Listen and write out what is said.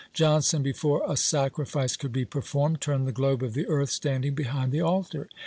Jonson, before "a sacrifice could be performed, turned the globe of the earth, standing behind the altar."